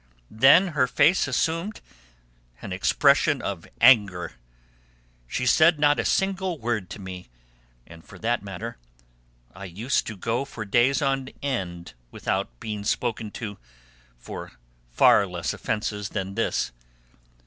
Then her face assumed an expression of anger. She said not a single word to me; and, for that matter, I used to go for days on end without being spoken to, for far less offences than this.